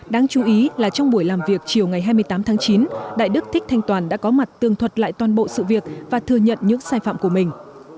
đáng chú ý là trong buổi làm việc chiều ngày hai mươi tám tháng chín đại đức thích thanh toàn đã có mặt tương thuật lại toàn bộ sự việc và thừa nhận những sai phạm của mình